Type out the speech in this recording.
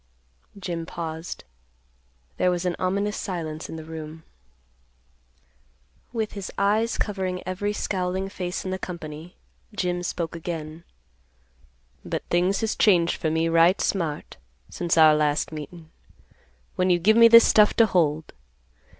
Jim paused. There was an ominous silence in the room. With his eyes covering every scowling face in the company, Jim spoke again, "But things has changed for me right smart, since our last meetin', when you give me this stuff to hold.